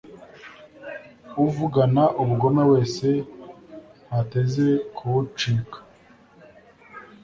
uvugana ubugome wese ntateze kuwucika